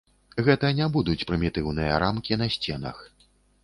Гэта не будуць прымітыўныя рамкі на сценах.